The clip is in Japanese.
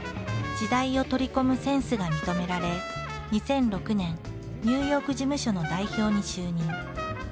時代を取り込むセンスが認められ２００６年ニューヨーク事務所の代表に就任。